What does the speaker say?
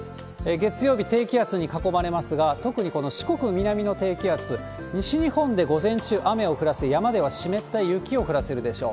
月曜日、低気圧に囲まれますが、特にこの四国、南の低気圧、西日本で午前中雨を降らせ、山では湿った雪を降らせるでしょう。